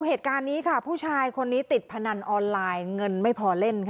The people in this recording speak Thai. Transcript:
เหตุการณ์นี้ค่ะผู้ชายคนนี้ติดพนันออนไลน์เงินไม่พอเล่นค่ะ